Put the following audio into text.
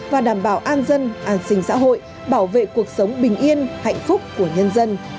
và đảm bảo an dân an sinh xã hội bảo vệ cuộc sống bình yên hạnh phúc của nhân dân